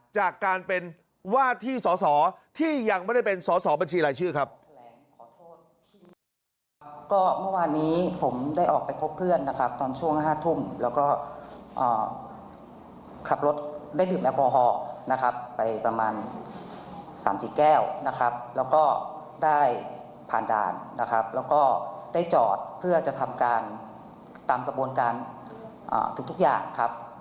จากการเป็นว่าที่สอสอที่ยังไม่ได้เป็นสอสอบัญชีรายชื่อครับ